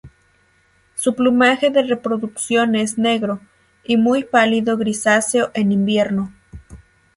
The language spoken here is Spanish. Su plumaje de reproducción es negro, y muy pálido grisáceo en invierno.